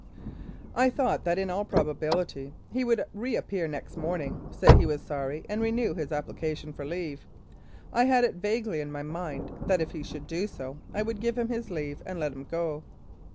I thought that in all probability he would re appear next morning, say he was sorry, and renew his application for leave. I had it vaguely in my mind that if he should do so I would give him his leave and let him go.